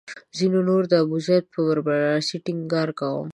ځینو نورو د ابوزید پر برلاسي ټینګار کاوه.